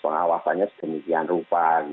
pengawasannya sedemikian rupa